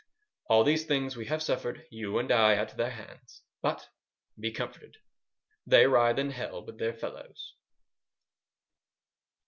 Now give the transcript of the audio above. All these things we have suffered, you and I, at their hands. But be comforted. They writhe in Hell with their fellows.